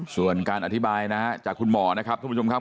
ส่วนการอธิบายนะฮะจากคุณหมอนะครับทุกผู้ชมครับ